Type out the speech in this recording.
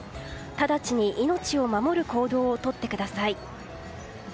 ただちに命を守る行動をとってください。